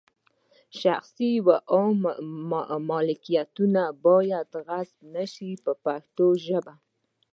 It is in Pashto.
شخصي او عامه ملکیتونه باید غصب نه شي په پښتو ژبه.